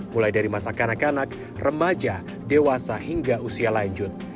mulai dari masa kanak kanak remaja dewasa hingga usia lanjut